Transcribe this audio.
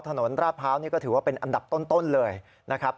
ถนนราชพร้าวนี่ก็ถือว่าเป็นอันดับต้นเลยนะครับ